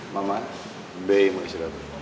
mama bayi mau istirahat